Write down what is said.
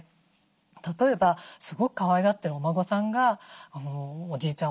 例えばすごくかわいがってるお孫さんが「おじいちゃん